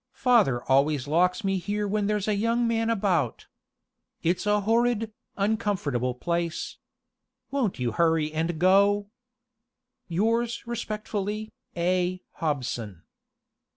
Father always locks me here when there's a young man about. It's a horrid, uncomfortable place. Won't you hurry and go? Yours respectfully, A. HOBSON.